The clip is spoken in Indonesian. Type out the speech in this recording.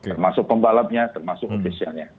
termasuk pembalapnya termasuk officialnya